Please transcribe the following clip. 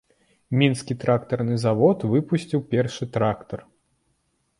Мінскі трактарны завод выпусціў першы трактар.